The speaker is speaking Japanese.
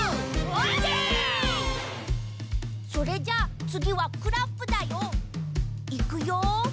それじゃあつぎはクラップだよ。いくよ！